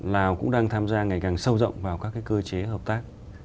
lào cũng đang tham gia ngày càng sâu rộng vào các cơ chế hợp tác